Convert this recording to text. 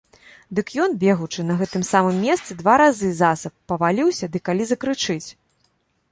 Дык ён, бегучы, на гэтым самым месцы два разы засаб паваліўся ды калі закрычыць!